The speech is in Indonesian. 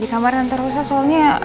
di kamar tante rosa soalnya